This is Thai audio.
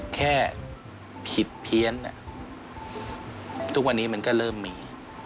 แค่ผิดเพี้ยนทุกวันนี้มันก็เริ่มมี